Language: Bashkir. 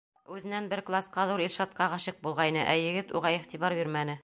Үҙенән бер класҡа ҙур Илшатҡа ғашиҡ булғайны, ә егет уға иғтибар бирмәне.